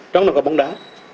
trong là có bóng đá